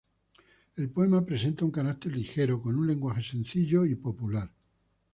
El poema presenta un carácter ligero, con un lenguaje sencillo y popular.